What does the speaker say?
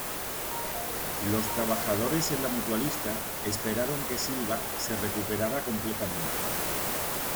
Los trabajadores en la mutualista esperaron que Silva se recuperara completamente.